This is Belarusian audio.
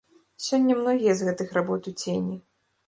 Сёння многія з гэтых работ у цені.